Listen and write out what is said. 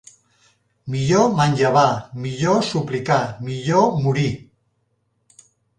Millor manllevar, millor suplicar, millor morir!